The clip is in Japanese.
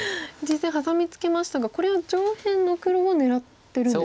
実戦ハサミツケましたがこれは上辺の黒を狙ってるんですか？